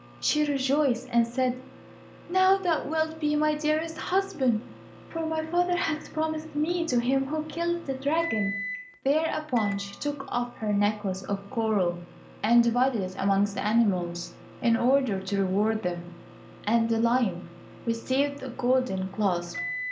She rejoiced and said, "Now thou wilt be my dearest husband, for my father has promised me to him who kills the dragon." Thereupon she took off her necklace of coral, and divided it amongst the animals in order to reward them, and the lion received the golden clasp.